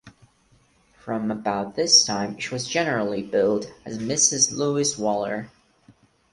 From about this time she was generally billed as "Mrs Lewis Waller".